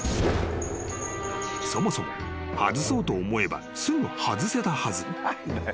［そもそも外そうと思えばすぐ外せたはず］